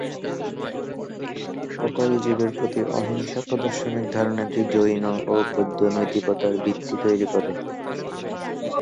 সকল জীবের প্রতি অহিংসা প্রদর্শনের ধারণাটি জৈন ও বৌদ্ধ নৈতিকতার ভিত্তি তৈরি করে।